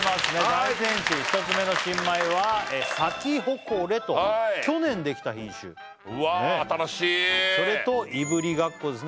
大仙市１つ目の新米はサキホコレと去年できた品種ねえそれとうわ新しいいぶりがっこです